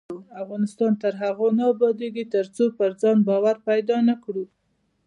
افغانستان تر هغو نه ابادیږي، ترڅو پر ځان باور پیدا نکړو.